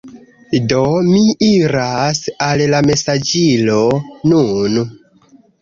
Do, mi iras al la mesaĝilo nun